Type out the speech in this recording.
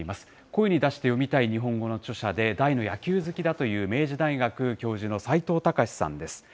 声に出して読みたい日本語の著者で、大の野球好きだという明治大学教授の齋藤孝さんです。